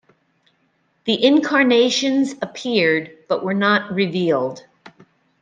The incarnations appeared, but were not revealed.